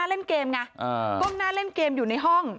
เล่นเกมไงก้มหน้าเล่นเกมอยู่ในห้อง